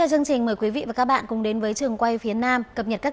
hoà trí xin kính chào quý vị và các bạn